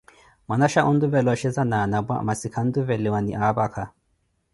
Mwanaxha ontuvela oxheza na anapwa, masi khantuveliwa ni apakha.